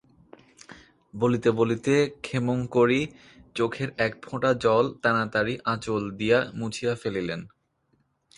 বলিতে বলিতে ক্ষেমংকরী চোখের এক ফোঁটা জল তাড়াতাড়ি আঁচল দিয়া মুছিয়া ফেলিলেন।